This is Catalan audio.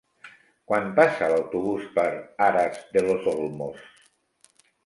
Quan passa l'autobús per Aras de los Olmos?